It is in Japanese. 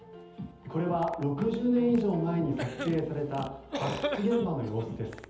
これは６０年以上前に撮影された発掘現場の様子です。